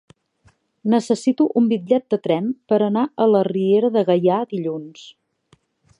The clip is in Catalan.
Necessito un bitllet de tren per anar a la Riera de Gaià dilluns.